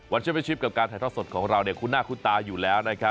เชื่อเป็นชิปกับการถ่ายทอดสดของเราคุณหน้าคุณตาอยู่แล้วนะครับ